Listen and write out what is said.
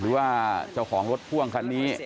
หรือว่าเจ้าของรถพ่วงคันนี้